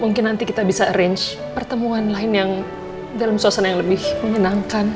mungkin nanti kita bisa arrange pertemuan lain yang dalam suasana yang lebih menyenangkan